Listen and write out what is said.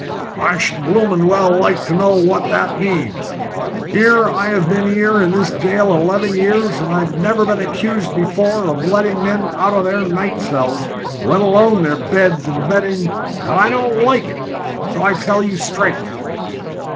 "I should blooming well like to know what this means! 'Ere have I been in this 'ere jail eleven years, and I've never been accused before of letting men out of their night cells, let alone their beds and bedding, and I don't like it, so I tell you straight."